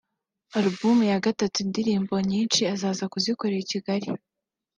Album ya gatatu indirimbo nyinshi azaza kuzikorera i Kigali